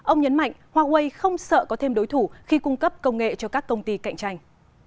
ông nhấn mạnh huawei không sợ có thêm đối thủ khi cung cấp công nghệ cho các công ty cạnh tranh